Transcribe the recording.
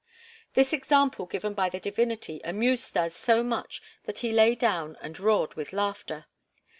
This example given by the divinity amused Stas so much that he lay down and roared with laughter.